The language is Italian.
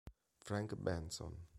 Frank Benson